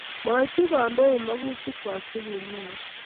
Maityi kandoik mekutikwak che kimwou